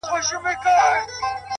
هر څه هېره كاندي-